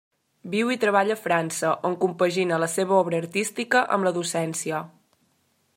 Viu i treballa a França, on compagina la seva obra artística amb la docència.